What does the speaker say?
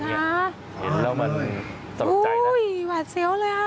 อุ๊ยคุณค่ะอ้าวเห็นแล้วมันตกใจนะอุ๊ยหวัดเซียวเลย